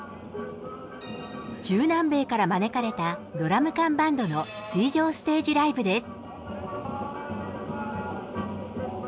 中南米から招かれたドラム缶バンドの水上ステージライブです。